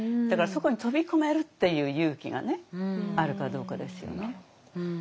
だからそこに飛び込めるっていう勇気があるかどうかですよね。